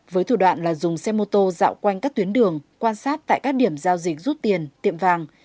với thủ đoạn là dùng xe mô tô dạo quanh các tuyến đường quan sát tại các điểm giao dịch rút tiền tiệm vàng